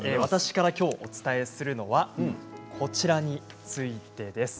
きょうお伝えするのはこちらについてです。